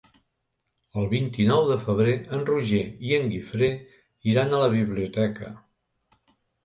El vint-i-nou de febrer en Roger i en Guifré iran a la biblioteca.